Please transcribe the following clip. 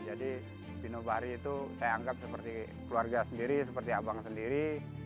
jadi fino bahri itu saya anggap seperti keluarga sendiri seperti abang sendiri